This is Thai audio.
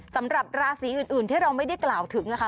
สำหรับราศีอื่นที่เราไม่ได้กล่าวถึงนะคะ